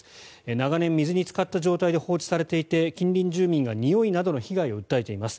長年、水につかった状態で放置されていて近隣住民がにおいなどの被害を訴えています。